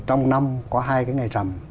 trong năm có hai cái ngày rằm